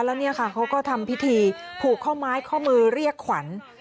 แล้วเนี่ยค่ะเขาก็ทำพิธีผูกข้อไม้ข้อมือเรียกขวัญ